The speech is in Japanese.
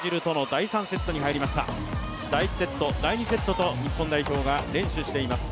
第１セット、第２セットと日本代表が連取しています。